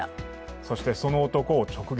そしてその男を直撃。